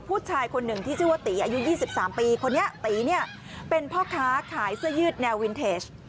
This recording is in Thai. ผู้ชายคนหนึ่งที่ชื่อว่าตีอายุ๒๓ปีคนนี้ตีเนี่ยเป็นพ่อค้าขายเสื้อยืดแนววินเทจ